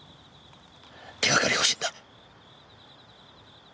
手がかりがほしいんだ。